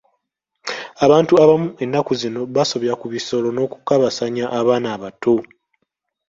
Abantu abamu ennaku zino basobya ku bisolo n'okukabasanya abaana abato.